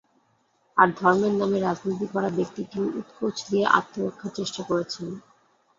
আর ধর্মের নামে রাজনীতি করা ব্যক্তিটিও উৎকোচ দিয়ে আত্মরক্ষার চেষ্টা করেছেন।